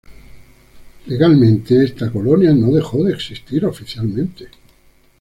Legalmente, esta colonia no dejó de existir oficialmente.